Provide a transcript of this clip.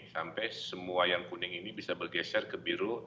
sampai semua yang kuning ini bisa bergeser ke biru